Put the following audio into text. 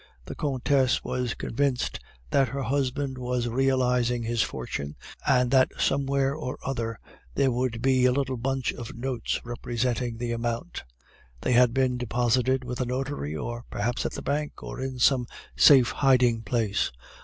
The Countess was convinced that her husband was realizing his fortune, and that somewhere or other there would be a little bunch of notes representing the amount; they had been deposited with a notary, or perhaps at the bank, or in some safe hiding place.